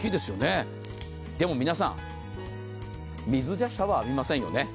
でも皆さん、水でシャワーを浴びませんよね。